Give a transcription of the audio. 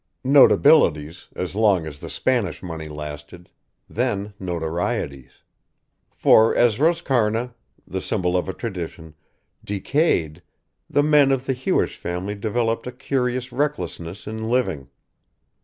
Notabilities as long as the Spanish money lasted then notorieties. For, as Roscarna, the symbol of a tradition, decayed, the men of the Hewish family developed a curious recklessness in living.